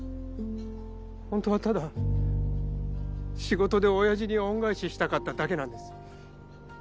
ホントはただ仕事で親父に恩返ししたかっただけなんです。